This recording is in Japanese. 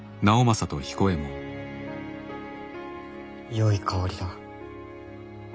よい香りだ。